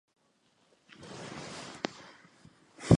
旁边的人在说买卖很好赚